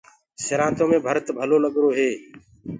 سِرآنٚتو مينٚ ڀرت ڀلو لگرو هي۔